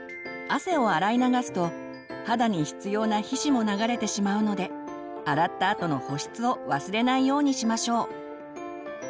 汗を洗い流すと肌に必要な皮脂も流れてしまうので洗ったあとの保湿を忘れないようにしましょう。